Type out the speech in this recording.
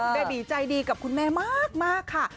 เบบีใจดีกับคุณแม่มากค่ะ